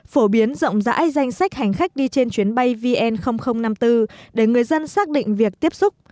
phổ biến rộng rãi danh sách hành khách đi trên chuyến bay vn năm mươi bốn để người dân xác định việc tiếp xúc